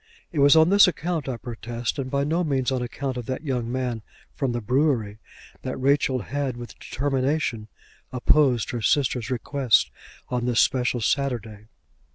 It was on this account, I protest, and by no means on account of that young man from the brewery, that Rachel had with determination opposed her sister's request on this special Saturday.